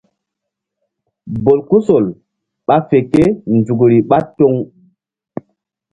Bolkusol ɓa fe kénzukri ɓá toŋ.